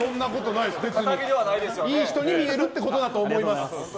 いい人に見えるってことだと思います。